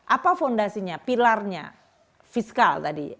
apa fondasinya pilarnya fiskal tadi